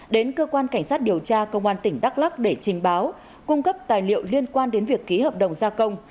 đến cơ quan cảnh sát điều tra công an tỉnh đắk lắc để trình báo cung cấp tài liệu liên quan đến việc ký hợp đồng gia công